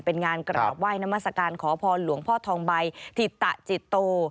เป็นงานกราบไห้นมัศกาลขอพรหลวงพ่อทองใบถิตจิตโต